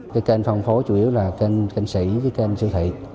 cái kênh phong phố chủ yếu là kênh thanh sĩ với kênh siêu thị